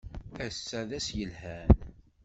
Ass-a d ass yelhan!